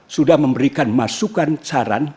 sudah memberikan masukan saran